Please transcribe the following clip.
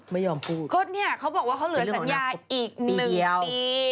ไม่ยอมพูดก็เนี่ยเขาบอกว่าเขาเหลือสัญญาอีกหนึ่งปี